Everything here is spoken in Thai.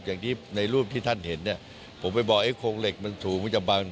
อย่างที่ในรูปที่ท่านเห็นเนี่ยผมไปบอกไอ้โครงเหล็กมันสูงมันจะบัง